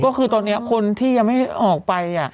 ก็คือตอนนี้คนที่ยังไม่ออกไป